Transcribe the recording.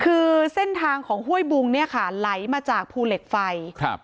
คือเส้นทางของห้วยบุงเนี่ยค่ะไหลมาจากภูเหล็กไฟครับ